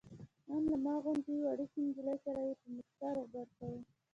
ان له ما غوندې وړوکې نجلۍ سره یې په موسکا روغبړ کاوه.